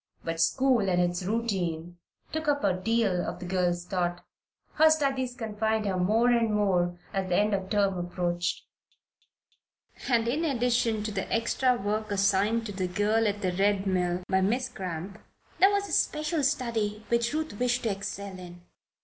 But school and its routine took up a deal of the girl's thought. Her studies confined her more and more as the end of the term approached. And in addition to the extra work assigned the girl at the Red Mill by Miss Cramp, there was a special study which Ruth wished to excel in.